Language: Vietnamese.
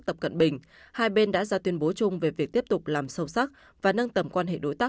tập cận bình hai bên đã ra tuyên bố chung về việc tiếp tục làm sâu sắc và nâng tầm quan hệ đối tác